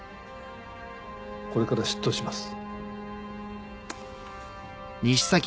これから出頭します。